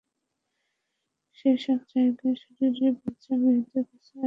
সেসব জায়গায় শরীর বেচা মেয়েদের কাছে আইনের রক্ষকদের নানা কীর্তিকলাপের কথা শুনেছি।